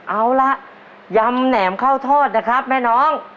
เอาละยำแหนมข้าวทอดนะครับแม่น้อง